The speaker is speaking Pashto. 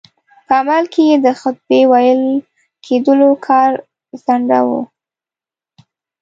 په عمل کې یې د خطبې د ویل کېدلو کار ځنډاوه.